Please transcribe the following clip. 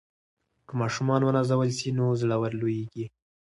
که ماشومان ونازول سي نو زړور لویېږي.